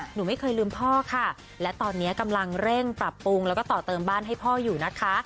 หนูไม่เคยลืมพ่อค่ะและตอนนี้กำลังเร่งปรับปรุงแล้วก็ต่อเติมบ้านให้พ่ออยู่นะคะ